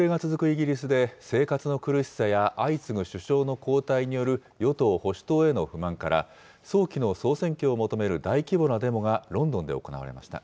イギリスで、生活の苦しさや相次ぐ首相の交代による与党・保守党への不満から、早期の総選挙を求める大規模なデモがロンドンで行われました。